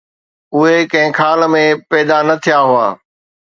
اهي ڪنهن خال ۾ پيدا نه ٿيا هئا.